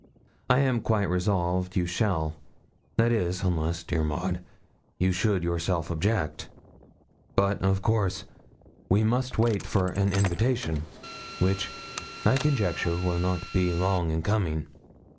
I am quite resolved you shall that is, unless, dear Maud, you should yourself object; but, of course, we must wait for an invitation, which, I conjecture, will not be long in coming.